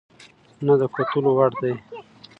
نه د کتلو وړ دى،